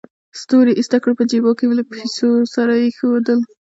ستوري ایسته کړل، په جېب کې مې له پیسو سره کېښودل.